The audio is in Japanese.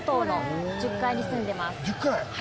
１０階！